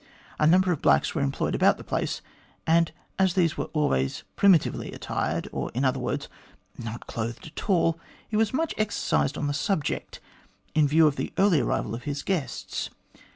A number of blacks were employed about the place, and, as these were always primi tively attired, or in other words, not clothed at all, he was much exercised on the subject in view of the early arrival of his guests.